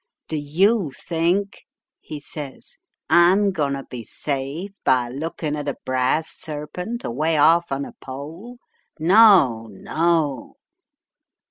"Do you think," he says, "I'm going to be saved by looking at a brass serpent away off on a pole? No, no."